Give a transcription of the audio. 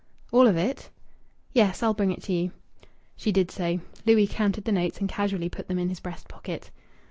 "All of it?" "Yes. I'll bring it you." She did so. Louis counted the notes and casually put them in his breast pocket.